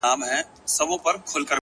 د زړه ساعت كي مي پوره يوه بجه ده گراني _